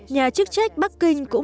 nhà chức trách bắc kinh của trung quốc